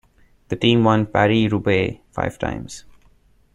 The team won Paris-Roubaix five times.